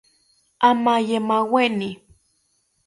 Amaye maweni